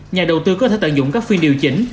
nhà đầu tư có thể tận dụng các phiên điều chỉnh